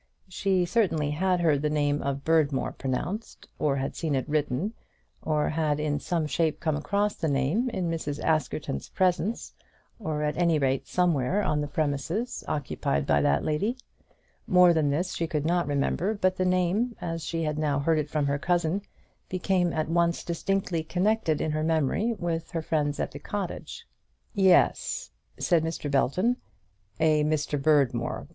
She certainly had heard the name of Berdmore pronounced, or had seen it written, or had in some shape come across the name in Mrs. Askerton's presence; or at any rate somewhere on the premises occupied by that lady. More than this she could not remember; but the name, as she had now heard it from her cousin, became at once distinctly connected in her memory with her friends at the cottage. "Yes," said Belton; "a Mr. Berdmore.